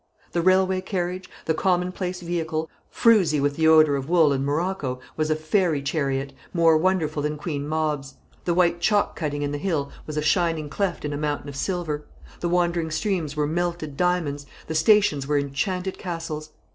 The railway carriage, the commonplace vehicle, frouzy with the odour of wool and morocco, was a fairy chariot, more wonderful than Queen Mab's; the white chalk cutting in the hill was a shining cleft in a mountain of silver; the wandering streams were melted diamonds; the stations were enchanted castles.